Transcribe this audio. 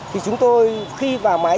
thì chúng tôi khi vào máy